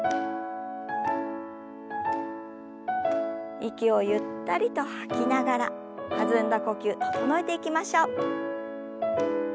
息をゆったりと吐きながら弾んだ呼吸整えていきましょう。